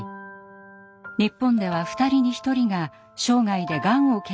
日本では２人に１人が生涯でがんを経験するといわれています。